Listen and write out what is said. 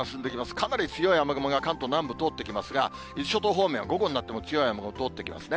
かなり強い雨雲が関東南部、通っていきますが、伊豆諸島方面は午後になっても強い雨が通っていきますね。